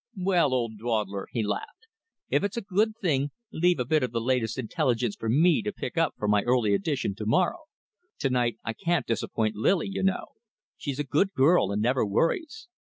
"Well, old dawdler," he laughed, "if it's a good thing, leave a bit of the latest intelligence for me to pick up for my early edition to morrow. To night I can't disappoint Lily, you know. She's a good girl, and never worries."